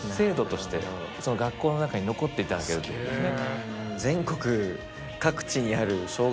学校の中に残っていただけるってことですね。